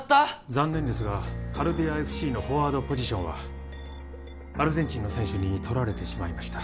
残念ですがカルビアＦＣのフォワードポジションはアルゼンチンの選手にとられてしまいました